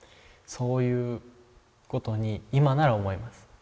そういうことに今なら思います。